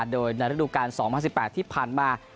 โดยในระดูการ๒๐๑๘ที่ผ่านมา